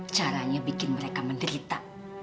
caranya bikin mereka menderita